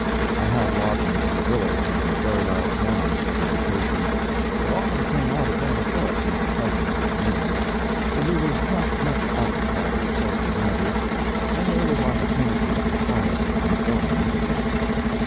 I had lodgings in the village, and drove out mornings for the dictations, but often came out again afoot on pleasant afternoons; for he was not much occupied with social matters, and there was opportunity for quiet, informing interviews.